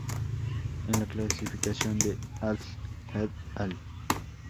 En la clasificación de Adl "et al.